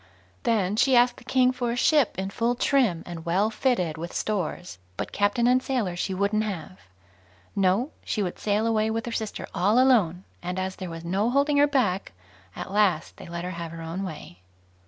Then she asked the King for a ship in full trim, and well fitted with stores; but captain and sailors she wouldn't have. No; she would sail away with her sister all alone; and as there was no holding her back, at last they let her have her own way.